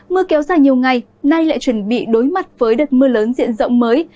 mưa kéo dài nhiều ngày nay lại chuẩn bị đối mặt với đợt mưa lớn diện rộng mới